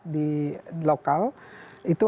di lokal itu